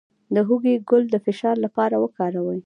د هوږې ګل د فشار لپاره وکاروئ